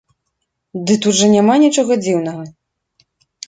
Дык тут жа няма нічога дзіўнага.